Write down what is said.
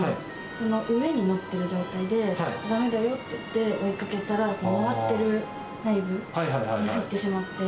その上に乗っている状態で、だめだよって言って追いかけたら、回っている内部に入ってしまって。